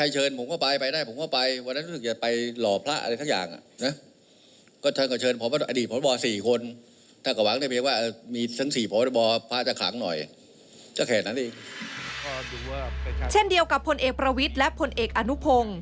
เช่นเดียวกับพลเอกประวิทย์และผลเอกอนุพงศ์